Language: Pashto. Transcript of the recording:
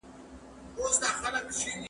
زه پرون سفر وکړ!!